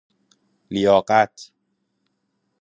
لیاقت